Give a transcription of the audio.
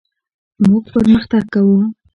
موږ پرمختګ کوو.